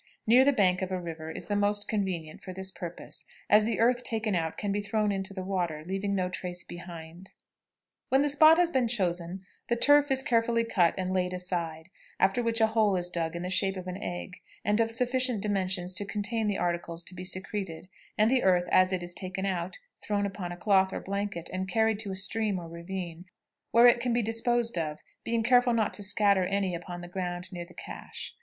Near the bank of a river is the most convenient for this purpose, as the earth taken out can be thrown into the water, leaving no trace behind. When the spot has been chosen, the turf is carefully cut and laid aside, after which a hole is dug in the shape of an egg, and of sufficient dimensions to contain the articles to be secreted, and the earth, as it is taken out, thrown upon a cloth or blanket, and carried to a stream or ravine, where it can be disposed of, being careful not to scatter any upon the ground near the caché.